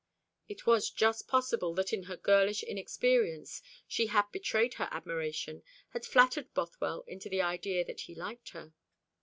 It was just possible that in her girlish inexperience she had betrayed her admiration, had flattered Bothwell into the idea that he liked her.